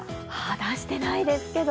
出してないですけど。